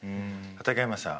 畠山さん